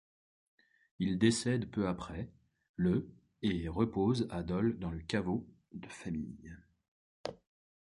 Il décède peu après, le et repose à Dole dans le caveau de famille.